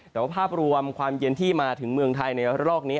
แต่ว่าภาพรวมความเย็นที่มาถึงเมืองไทยในรอกนี้